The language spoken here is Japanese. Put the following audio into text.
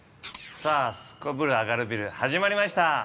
さあ「すこぶるアガるビル」始まりました。